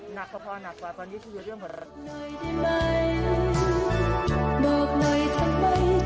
หนักพอมากกว่าตอนนี้คือเรื่อง